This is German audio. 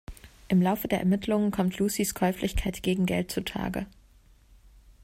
Im Laufe der Ermittlungen kommt Lucys Käuflichkeit gegen Geld zu Tage.